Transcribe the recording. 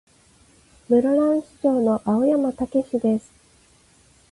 室蘭市長の青山剛です。